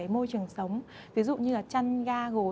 môi trường sống ví dụ như là chăn ga gối